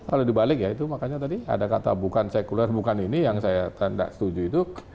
kalau dibalik ya itu makanya tadi ada kata bukan sekuler bukan ini yang saya tanda setuju itu